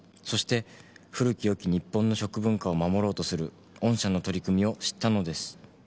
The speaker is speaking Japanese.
「そして古きよき日本の食文化を守ろうとする御社の取り組みを知ったのです」